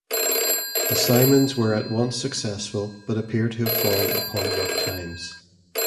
The Simons were at once successful but appear to have fallen upon rough times.